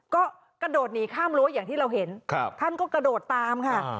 ก็กระโดดหนีข้ามรั้วอย่างที่เราเห็นท่านก็กระโดดตามค่ะ